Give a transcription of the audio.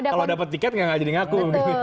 kalau dapat tiket nggak jadi ngaku